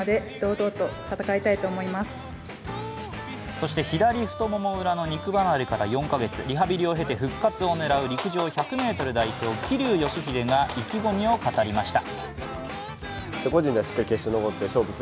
そして、左太もも裏の肉離れから４か月、リハビリを経て復活を狙う陸上１００ｍ代表、桐生祥秀が意気込みを語りました。